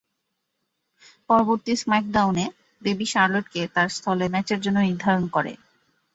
পরবর্তী স্ম্যাকডাউনে Becky Charlotte কে তার স্থলে ম্যাচের জন্য নির্ধারণ করে।